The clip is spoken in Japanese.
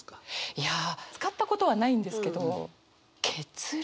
いや使ったことはないんですけど血涙？